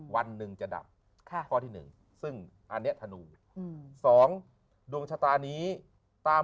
วันหนึ่งจะดำพอดีนึงซึ่งอันเนี้ยทนูสองดวงชะตานี้ตาม